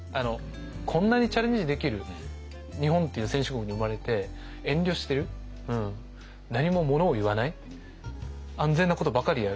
こんなにチャレンジできる日本っていう先進国に生まれて遠慮してる何もものを言わない安全なことばかりやる